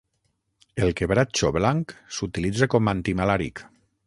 El quebratxo blanc s'utilitza com antimalàric.